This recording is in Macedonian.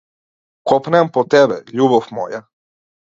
Копнеам по тебе, љубов моја.